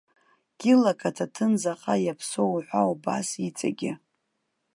Кьылак аҭаҭын заҟа иаԥсоу уҳәа убас иҵегьы.